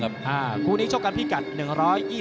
เออกรูนี้ชกกันพี่การ